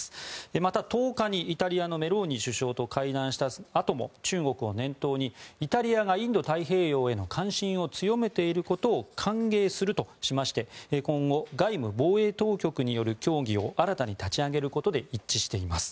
また、１０日にイタリアのメローニ首相と会談したあとも中国を念頭に、イタリアがインド太平洋への関心を強めていることを歓迎するとしまして今後、外務・防衛当局による協議を新たに立ち上げることで一致しています。